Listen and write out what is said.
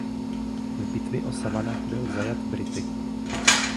V bitvě o Savannah byl zajat Brity.